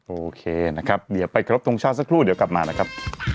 โอเคนะครับเดี๋ยวไปครบทรงชาติสักครู่เดี๋ยวกลับมานะครับ